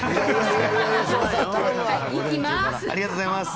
ありがとうございます。